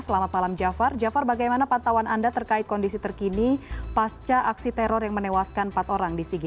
selamat malam jafar jafar bagaimana pantauan anda terkait kondisi terkini pasca aksi teror yang menewaskan empat orang di sigi